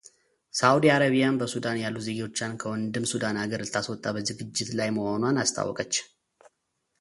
ሳዑዲ አረቢያም በሱዳን ያሉ ዜጎቿን ከወንድም ሱዳን አገር ልታስወጣ በዝግጅ ላይ መሆኗን አስታውቃለች።